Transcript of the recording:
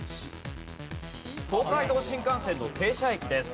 東海道新幹線の停車駅です。